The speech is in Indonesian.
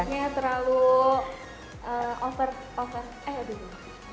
tidak terlalu over over eh udah